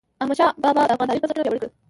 احمدشاه بااب د افغان تاریخ بنسټونه پیاوړي کړل.